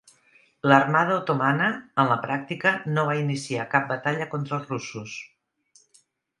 L'armada otomana, en la pràctica, no va iniciar cap batalla contra els russos.